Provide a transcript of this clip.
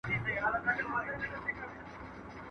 ¬ مړی هر وخت په قيامت رضا وي.